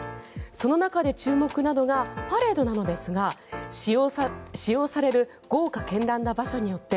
その中で注目なのがパレードなのですが使用される豪華絢爛な馬車によって